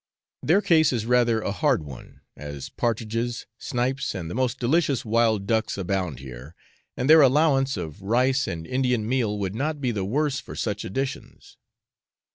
Their case is rather a hard one, as partridges, snipes, and the most delicious wild ducks abound here, and their allowance of rice and Indian meal would not be the worse for such additions.